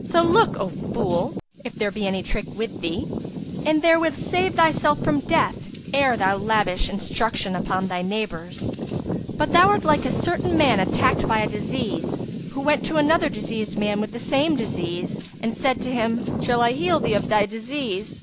So look, O fool, if there be any trick with thee; and therewith save thyself from death ere thou lavish instruction upon thy neighbours. But thou art like a certain man attacked by a disease, who went to another diseased with the same disease, and said to him, 'Shall I heal thee of thy disease?'